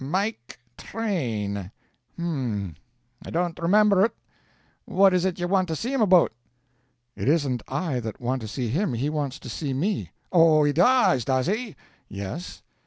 Mike Train. H'm. I don't remember ut. What is it ye want to see him about?" "It isn't I that want to see him, he wants to see me." "Oh, he does, does he?" "Yes."